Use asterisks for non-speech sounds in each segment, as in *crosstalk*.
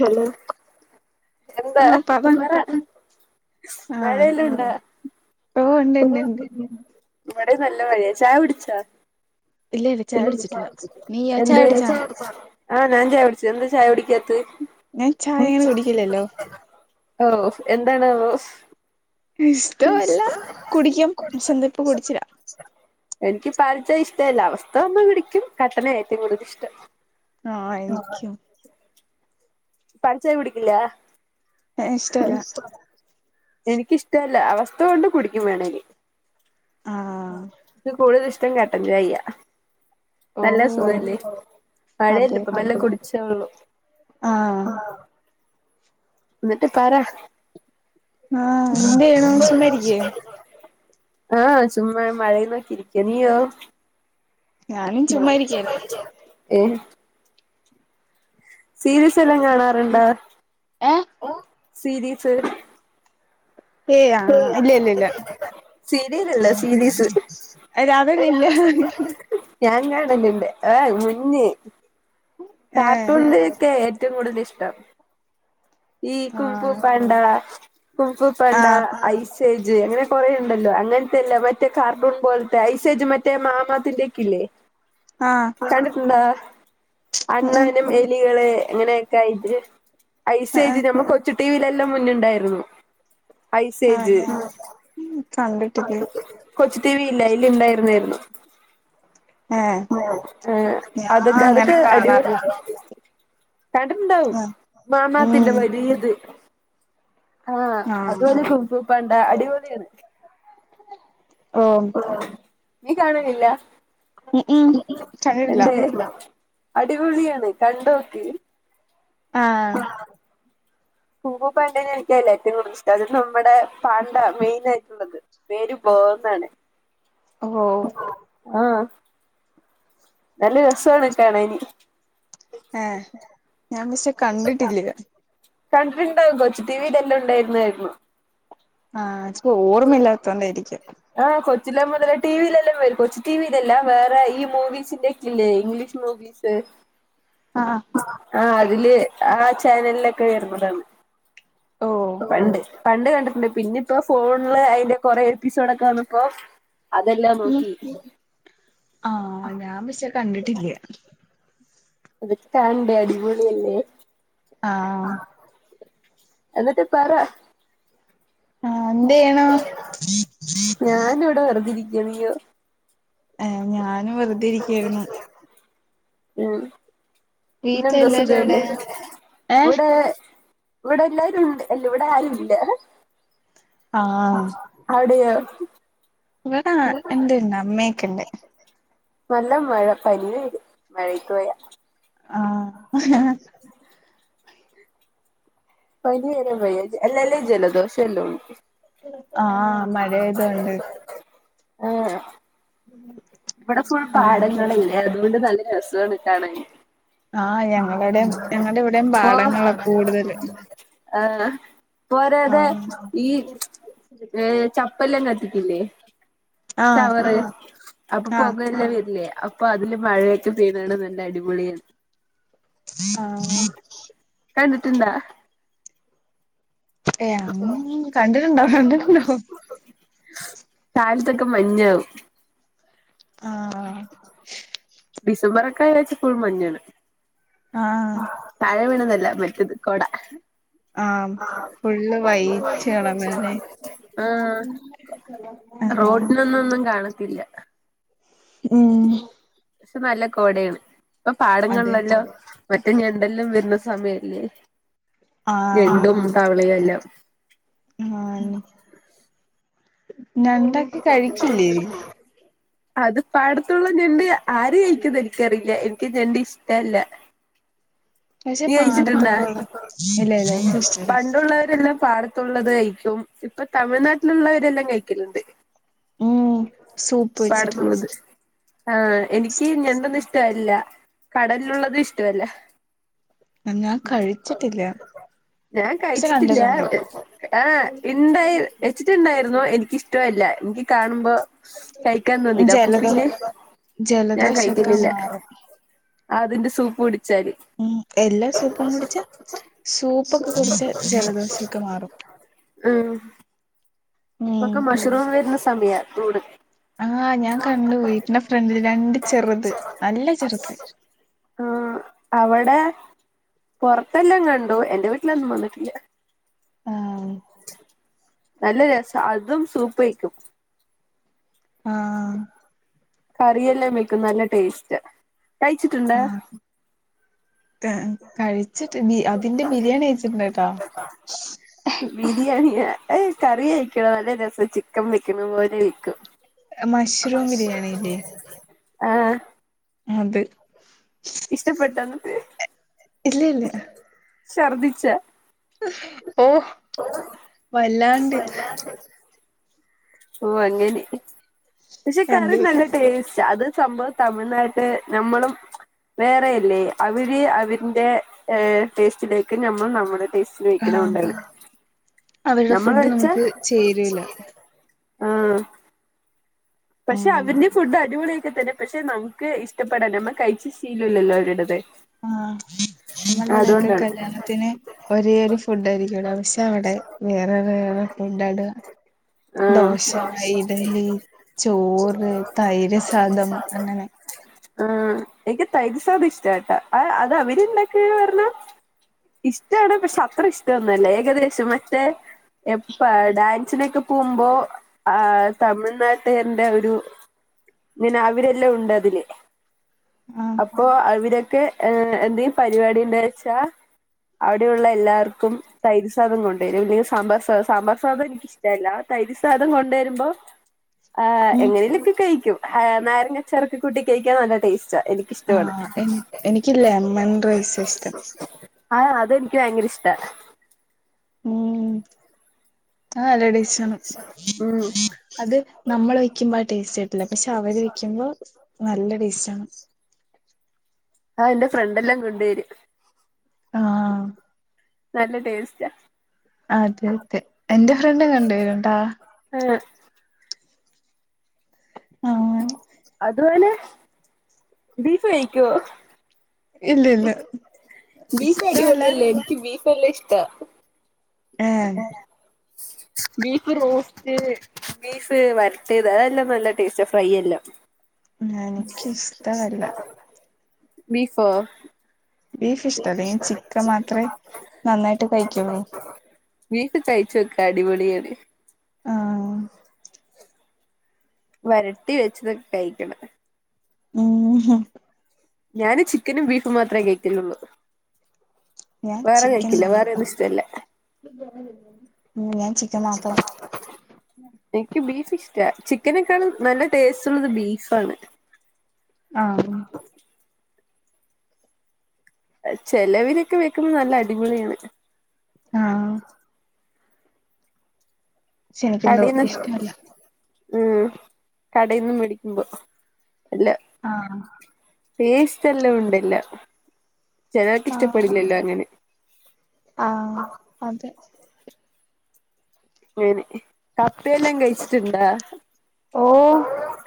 Hello എന്താ ഉം പറ മഴ ആഹ് എല്ലോണ്ടാ? ഓ ഉണ്ട് ഉണ്ട് ഉണ്ട് *unintelligible* ഇവടെ നല്ല മഴയ ചായ കുടിച്ചാ ഇല്ല ഇല്ല ഇല്ലല്ലാ ചായ കുടിച്ചിട്ടില്ല നീയോ എന്തേ കുടിച്ചാ ചായ *unintelligible* ആഹ് ഞാൻചായ കുടിച്ചു എന്തേ ചായ കുടിക്കാത്ത് ഞാൻ ചായ അങ്ങനെ കുടിക്കില്ലല്ലോ *unintelligible* *unintelligible* ഓഹ് എന്താണാവോ ഇഷ്ടോല്ല കുടിക്കും ക്ഷേ ന്തോ ഇപ്പ കുടിച്ചില്ലാ എനിക്ക് പാൽ ചായ ഇഷ്ടല്ല അവസ്ഥ വന്നാ കുടിക്കും കട്ടനാ ഏറ്റവും കൂടുതല് ഇഷ്ടം ആഹ് എനിക്കും പാൽചായ കുടിക്കില്ലാ? ഇഷ്ടല്ല എനിക്കിഷ്ടല്ല അവസ്ഥ കൊണ്ട് കുടിക്കും വേണങ്കീ ആഹ് ക്ക് കൂടുതൽ ഇഷ്ടം കട്ടൻചായിയാ ഓ നല്ല സുഖല്ലേ മഴല്ല അതെ ഇപ്പൊ അതെ മെല്ലെ കുടിച്ചോളു ആഹ് എന്നിട്ട് പറ ആഹ് എന്ത് ചെയ്യണു ചുമ്മാ ഇരിക്കേ *unintelligible* ആഹ് ചുമ്മാ ഞാൻ മഴയും നോക്കി ഇരിക്ക നീയോ ഞാനും ചുമ്മാ ഇരിക്കാ. ഏ സീരീസ് എല്ലാം കാണാറ്ണ്ടാ ഏഹ് സീരീസ് ഏയ് ആ ഇല്ല ഇല്ല ഇല്ല സീരിയലല്ല സീരീസ് രാധെ നിന്നെ ഞാൻ കാണല്ണ്ട് ഏഹ് മുന്ന് ഏഹ് കാർട്ടൂണ്ന്റെക്കെ ഏറ്റവും കൂടുതൽ ഇഷ്ടം ഈ കുംഫു ആഹ് പാണ്ടാ കുംഫു പാണ്ടാ ആഹ് ഐസ് സേജ് അങ്ങനെ കൊറേയുണ്ടല്ലോ അങ്ങൻതെല്ല മറ്റേ കാർട്ടൂൺ പോൽത്തെ ഐസേജ് മറ്റേ മാമാത്തിന്റെക്കില്ലേ *inaudible* ആഹ് കണ്ടിട്ടുണ്ടോ അണ്ണാനും എലികള് അങ്ങനെയൊക്കെ ആയിട്ട് ആഹ് സ്സേജ് ഞമ്മ കൊച്ചു ടിവിയിലെല്ലാം മുന്ന്ണ്ടായിരുന്നു ആഹ് ഞാ ഉം കണ്ട്ട്ടില്ലേ കൊച്ചുടിവി ഇല്ലെ അയ്ല് ഇണ്ടായിരുന്നേർന്നു ഏഹ് ഏ ഏ ഞാൻ അതൊക്ക അങ്ങനെ അതൊക്കെ അടിപൊ കാണാറില്ല കണ്ടിട്ടുണ്ടാവും ഉം മാമാത്തിന്റെ ഉം വലിയത് ആ ആഹ് അതുപോലെ കുപൂ പാണ്ട അടിപൊളിയാണ് ഓ നീ കാണനില്ല ഉം ഉം കണ്ടിട്ടില്ല എന്തേ അടിപൊളിയാണ് കണ്ടോക്ക് ആഹ് കുപൂ പേട്ടെനെ *unintelligible* അത് നമ്മുടെ പാണ്ട മെയിനായിട്ടുള്ളത് പേര് ബോ ന്നാണ് അവോ ആ നല്ല രസോണ് കാണാന് ഏ ഞാൻ പക്ഷെ കണ്ടിട്ടില്ല കണ്ടിട്ടുണ്ടാവും കൊച്ചു ടി വി തന്നെ ഉണ്ടായിരുന്നതായിരുന്നു ആ ച്പ്പോ ഓർമ്മയില്ലാത്തോണ്ടായിരിക്കും ആ കൊച്ചിലെ മുതലേ ടിവിയിലെല്ലാം വരും കൊച്ചി ടിവിയിലല്ല വേറെ ഈ മൂവീസിന്റെക്കില്ലേ ഇംഗ്ലീഷ് മൂവി വീസ് അ ആ ആ അതില് ആ ചാനലിലൊക്കെ വരുന്നതാണ് ഓ പണ്ട് പണ്ട് കണ്ടിട്ടുണ്ട് പിന്നെ ഇപ്പോ ഫോണില് അതിന്റെ കൊറെ എപ്പിസോഡോക്കെ വന്നപ്പോ അതെല്ലാം ഉം നോക്കി ആഹ് ഞാൻ പക്ഷേ കണ്ടിട്ടില്ല അതൊക്കെകാണണ്ടേ അടിപൊളിയല്ലെ ആഹ് എന്നിട്ട് പറ ആഹ് എന്ത് ചെയ്യണു ഞാൻ ഇവ്ടെ വെറ്തെരിക്കാ നീയൊ ഏ ഞാനും വെറുതെ ഇരിക്കേര്ന്നു ഉം പിന്നെന്ത വീട്ടിലെല്ലാരും എവിടെ സുഖല്ലേ ഏഹ് ഇവടെ ഇവടെ എല്ലാരുണ്ട് എല്ല ഇവടെ ആരുല്ല ആഹ് അവിടെയോ ഇവിടെ ഇണ്ട്ണ്ട് അമ്മയൊക്കെണ്ട് നല്ല മഴ പനി പിടിക്കും മഴയത്ത് പോയ ആഹ് പനി വരാൻ വയ്യ അല്ലേലേ ജലദോഷം ഉള്ളൂ ആഹ് മഴയായതൊണ്ട് ഏ ഇവിടെ ഫുൾ ഉം പാടങ്ങളല്ലേ അതുകൊണ്ട് നല്ല രസമാണ് കാണാൻ ആഹ് ഞങ്ങളവിടെയും ഞങ്ങളുടെ ഇവിടെയും ഓഹ് പാടങ്ങളാ കൂടുതല് ആഹ് പോരാതെ ആഹ് ഈ ഏഹ് ചപ്പല്ലൊം കത്തിക്കില്ലേ ആഹ് ചവറ് അപ്പൊ ആഹ് പുകയെല്ലാം വരില്ലേ അപ്പൊ അതില് മഴയൊക്കെ പെയ്തെ കാണാൻ നല്ല അടിപൊളിയ ആഹ് കണ്ടിട്ടുണ്ടാ ഏഹ് കണ്ടിട്ടുണ്ടോ കണ്ടിട്ടുണ്ടോ കാലത്തൊക്കെ മഞ്ഞാവും ആഹ് ഡിസംബറ് ഒക്കെ ആയാച്ച്പ്പോ ഫുൾ മഞ്ഞാണ് ആഹ് താഴെ വീണന്നൊല്ല മറ്റേത് കോട ആഹ് ഫുള്ള് *unintelligible* വൈറ്റ് കളറല്ലേ ഉം ആഹ് റോഡിലൊന്നൊന്നും കാണത്തില്ല മ്മ് ക്ഷെ നല്ല കോടേണ് ഇപ്പൊ അതെ പാടങ്ങൾല്ലെല്ലാം മറ്റേ ഞെണ്ടെല്ലാം വരുന്ന സമയല്ലേ ആഹ് ഞെണ്ടും തവളയും എല്ലാം ആഞ്ഞ് ഞണ്ടൊക്കെ കഴിച്ചില്ലേ അത് പാടത്തുള്ള ഞണ്ട് ആര് കയിക്കുന്നെൻക്കറീല്ല എൻക്ക് ഞെണ്ട് ഇഷ്ടല്ല പക്ഷെ നീ കയിച്ചിട്ട്ണ്ടോ പാടത്തൊക്കെ ഉള്ള ഇല്ല ഇല്ല എനിക്കിഷ്ടല്ല പണ്ടുള്ളവരെല്ലാം പാടത്ത് പാടത്തുള്ളത് കഴിക്കും ഇപ്പൊ തമിഴ്നാട്ടിലുള്ളവരെല്ലാം കഴിക്കല്ണ്ട് ഉം സൂപ്പ് വെച്ചിട്ട് പാടത്തൂന്നത് ആഹ് എനിക്ക് ഞെണ്ടൊന്നും ഇഷ്ടമല്ല കടലിലുള്ളത് ഇഷ്ടമല്ല ആഹ് ഞാൻ കഴിച്ചിട്ടില്ല ഞാൻ പക്ഷെ കഴിച്ചിട്ടില്ല കണ്ടിട്ടുണ്ട് ആഹ് ഇണ്ടായി വെച്ചിട്ടുണ്ടായിരുന്നു എനിക്കിഷ് ട്യല്ല ഇൻക്ക് കാണുമ്പോ കഴിക്കാൻ തോന്നീല്ല അപ്പൊ പിന്നെ ഞാൻ ജലദോശൊക്കെ കഴിക്കലില്ല മാറും അതിന്റെ സൂപ്പ് കുടിച്ചാല് മ്മ് എല്ലാ സൂപ്പും കുടിച്ചാ സൂപ്പൊക്കെ കുടിച്ചാ ജലദോശൊക്കെ മാറും മ്മ് ഉം ഇപ്പൊക്കെ മഷ്റൂം വര്ന്ന സമയാ കൂണ് ആഹ് ഞാൻ കണ്ടു വീട്ടിന്റെ ഫ്രണ്ടില് രണ്ട് ചെറുത് നല്ല ചെറ്ത് ആഹ് അവടെ പൊറത്തെല്ലാം കണ്ടു എന്റെ വീട്ടിലൊന്നും വന്നിട്ടില്ല ആഹ് നല്ല രസാ അതും സൂപ്പ് വെയ്ക്കും ആഹ് കറിയെല്ലാം വെക്കും നല്ല ടേസ്റ്റാ കഴിച്ചിട്ടുണ്ടോ ക കഴിച്ചിട്ട്ന്നീ അതിന്റെ ബിരിയാണി കഴിച്ചിട്ടുണ്ട്ട്ടാേ ബിരിയാണിയാ ഏഹ് കറി കഴിക്കണം നല്ല രസം ചിക്കൻ വെക്കുന്ന പോലെ ഇരിക്കും മഷ്റൂം ബിരിയാണില്ലേ ആഹ് അത് ഇഷ്ട്ടപ്പെട്ടോന്നട്ട് ഇല്ല ഇല്ല ശർദിച്ചാ ഓഹ്‌ വല്ലാണ്ട് ഓ അങ്ങനെ പക്ഷെ കറി അത് നല്ല ടേസ്റ്റാ അത് സംഭവം തമിഴ്നാട്ട് നമ്മളും വേറെയല്ലേ അവര് അവരിന്റെ ടേസ്റ്റിലേക്കും നമ്മൾ നമ്മുടെ ടേസ്റ്റ് സ്റ്റിലേക്കും ആഹ് അഉണ്ടാകുന്നെ അവരുടെ നമ്മള് ഫുഡ് വെച്ചാ നമുക്ക് ചേരൂല ആഹ് പക്ഷെ ആഹ് അവര്ന്റിം ഫുഡ് അടിപൊളിയൊക്കെ തന്നെ പക്ഷെ നമ് മുക്ക് ഇഷ്ടപ്പെട നമ്മ കഴിച്ച് ശീലല്ലല്ലോ ഓര്ടേത് ആഹ് നമ്മടെ ഇടെക്കെ കല്യാണത്തിന് ഒരേ ഒരു ഫുഡ് ആയിരിക്കാേല്ലോ പക്ഷെ അവടെ വേറെ വേറെ ഫുഡാ ടാ ആ ദോശ ഇഡലി ചോറ് തൈര്സാദം അങ്ങനെ ആഹ് എൻക്ക് തൈര്സാധ് ഇഷ്ട്ടാട്ടോ അഅ് അത് അവര്ണ്ടാക്ക്ണാർന്ന ഇഷ്ട്ടാണ് പക്ഷെ അത്ര ഇഷ്ടന്നൊല്ല ഏകദേശം മറ്റേ എപ്പ ഡാൻസിനൊക്കെ പോവുമ്പോ ആ തമിഴ്നാട്ട് ട്ടെന്റെഒരു ഇങ്ങനെ അവ് രെല്ലാം ഉണ്ട് അതില് ആഹ് അപ്പൊ അവരൊക്കെ എന്തേലും പരിപാടി ഉണ്ട് വെച്ചാ, അവിടെ ഉള്ള എല്ലാവർക്കും. തൈര്സാധം കൊണ്ടുവരും, അല്ലെൽ സാമ്പാർ സാം സാമ്പാർ സാധം എനിക്ക് ഇഷ്ടമല്ല, തൈര് സാധം കൊണ്ടു വരുമ്പോ.. ആഹ് ഉം എങ്ങനേലുവൊക്കെ കഴിക്കും, നാരങ്ങാച്ചാറൊക്കെ കൂട്ടി കഴിക്കാൻ നല്ല ടേസ്റ്റാ എനി ആഹ് എ എനിക്ക ലെമൺ റൈസാ ഇഷ്ടം. ആഹ്, അതെനിക്ക് ഭയങ്കര ഇഷ്ട. ഉം, അത് നല്ല ടേസ്റ്റ് ആണ് ഉം അത് നമ്മൾ വെക്കുമ്പോൾ ആ ടേസ്റ്റ് ആയിട്ടില്ല, പക്ഷെ അവര് വെക്കുമ്പോൾ നല്ല ടേസ്റ്റ് ആണ്. ആഹ് എന്റെ ഫ്രണ്ടെല്ലാം കൊണ്ടുവരും ആ നല്ല ടേസ്റ്റാ ആഹ് അതെ അതെ, എന്റെ ഫ്രണ്ടും കൊണ്ട് വരൂട്ടാ ആഹ് ആഹ് അതുപോലെ, ബീഫ് കഴിക്കുവോ? ഇല്ല ഇല്ല ബീഫ് ഇഷ്ടമല്ല അടിപൊളിയല്ലേ? എനിക്ക് ബീഫ് നല്ല ഇഷ്ട. ആഹ്. ബീഫ്റോസ്റ്റ്. ബീഫ് വരട്ടിയത് അതെല്ലാം നല്ല ടേസ്റ്റ, ഫ്രൈ എല്ലാം.. എനക്ക്ഷ്ടമല്ല. ബീഫോ? ബീഫ് ഇഷ്ടല്ല ഞാൻ ചിക്കൻ മാത്രേ നന്നായിട്ട് കഴിക്കുള്ളൂ. ബീഫ് കഴിച്ചോക്ക്, അടിപൊളിയണ്. ആഹ് വരട്ടി വെച്ചതൊക്കെ കഴിക്കണം. ഉംഹ്, ഞാന് ചിക്കനും ബീഫും മാത്രമേ കഴിക്കലുള്ളു, ഞാൻ വേറെ കഴിക്കില്ല വേറേതും ഇഷ്ടല്ല. ഉം, ഞാൻ ചി *unintelligible* എനിക്ക് ബീഫ് ഇഷ്ട. ചിക്കനെക്കാളും നല്ല ടേസ്റ്റ് ഉള്ളത് ബീഫാണ്. ആഹ് ചെലവരൊക്കെ വെക്കുന്നെ നല്ല അടിപൊളിയാണ്. ആഹ് പക്ഷെ എനിക്കെന്തോ ഇഷ്ടമല്ല *unintelligible* ഉം കടേന്ന് മേടിക്കുമ്പോ അല്ല ആഹ് ടേസ്റ്റ് എല്ലാം ഉണ്ടല്ലോ ചിലർക്ക് ആഹ് ഇഷ്ടപ്പെടില്ലല്ലോ അങ്ങനെ ആഹ് അതെ അങ്ങനെ കപ്പയെല്ലാം കഴിച്ചിട്ടുണ്ടാ ഓ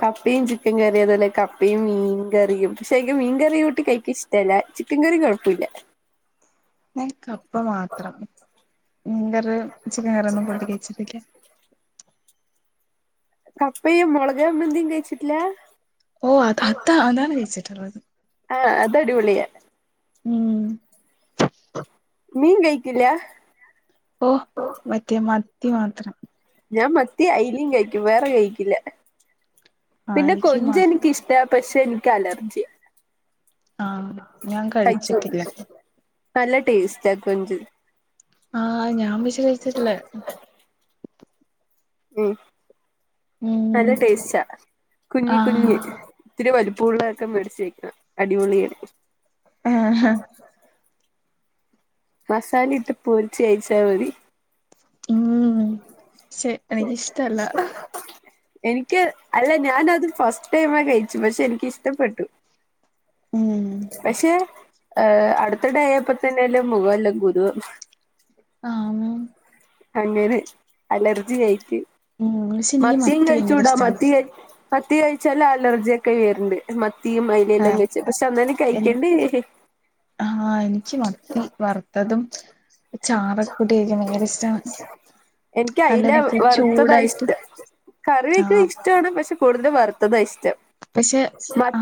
ക പ്പയും ചിക്കൻകറിയും അതുപോലെ കപ്പയും മീൻ കറിയും പക്ഷെ എനിക്ക് മീൻ കറി കൂട്ടി കഴിക്കാൻ ഇഷ്ട ചിക്കൻ കറി കൊഴപ്പില്ല ഞാൻ കപ്പ മാത്രം മീൻ കറി ചിക്കൻ കറിയൊന്നും കൂട്ടി കഴിച്ചിട്ടില്ല കപ്പയും മുളക് ചമ്മന്തിയും കഴിച്ചിട്ടില്ല ഓ അത് അത് അതാണ് കയിച്ചിട്ടുള്ളത് ആഹ് അത് അടിപൊളിയാ ഉം മീൻ കഴിക്കൂല്ല ഓ മറ്റേ മത്തി മാത്രം ഞാൻ മത്തി അയലയും കഴിക്കും വേറെ കഴിക്കില്ല ആഹ് പിന്നെ എനിക്ക് മ കൊഞ്ച് എനിക്കിഷ്ടവാ പക്ഷെ എനിക്കലർജിയാ ആഹ് ഞാൻ കഴിച്ചോ കഴിച്ചിട്ടില്ല നല്ല ടെസ്റ്റാ കൊഞ്ച് ആഹ് ഞാൻ പക്ഷേ കഴിച്ചിട്ടില്ല ഉം ഉം നല്ല ടേസ്റ്റാ കുഞ്ഞി ആഹ് കുഞ്ഞ് ഇത്തിരി വലിപ്പമുള്ളയൊക്കെ മേടിച്ചേക്കണം അടിപൊളിയാണ് ആഹാ മസാലയിട്ട് പൊരിച്ച് കഴിച്ചാ മതി ഉം ശെ എനിക്കിഷ്ടല്ല. എനിക്ക് അല്ല ഞാനത് ഫസ്റ്റ് ടൈംമാ കഴിച്ചെ പക്ഷെ എനിക്കിഷ്ടപ്പെട്ടു. ഉം പക്ഷെ ഏഹ് അട്ത്ത്ഡേ ആയപ്പോത്തെന്നേല്ലും മൂവല്ലോം വെരോ ഉം അങ്ങനെ അലർജി യായിറ്റ് ഉം പക്ഷെ എനിക്ക് മത്തിയും മത്തി ഭയങ്കര കഴിച്ചുടാ ഇഷ്ടാണ് മത്തി കഴി മത്തി കഴിച്ചാല് അലർജ്യൊക്കെ വെര്ണ്ട്. മത്തിയും അയലയെല്ലാം ആഹ് കഴിച്ചു പക്ഷെ അന്നാലും എനി കഴിക്കണ്ടേ ആഹ് ഇൻക്ക് മത്തി വറ്ത്തതും ചാറൊക്കെ കൂട്ടി കഴിക്കാൻ ഭയങ്കരെഷ്ടാണ് എനിക്ക് നല്ല അയില ടേസ്റ്റ് വറുത്തതാ ഇഷ്ടം ചൂടായിട്ട് കറി വയ്ക്കുന്ന ആഹ് ഇഷ്ടാണ് പക്ഷെ കൂടുതലും വറ്ത്തതാ ഇഷ്ടം. പക്ഷെ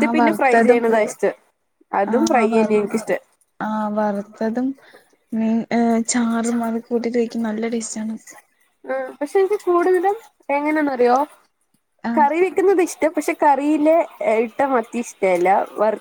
ആ പിന്നെ ഫ്രൈ വറുത്തതും ചെയ്യണതാ ഇഷ്ടം അതും ആഹ് ഫ്രൈയെനെ വറു എനിക്കിഷ്ടം. ആഹ് വറ്ത്തതും മീൻ ഏഹ് ചാറും അതു കൂട്ടിട്ട് കഴിക്കാൻ നല്ല ടേസ്റ്റാണ്. ഉം പക്ഷെ എനിക്ക് കൂടുതലും എങ്ങനേന്നറ്യോ ആഹ് കറി വെക്കുന്നത് ഇഷ്ടം പക്ഷെ കറിയിലെ ഇട്ട മത്തിഷ്ടല്ല വറ്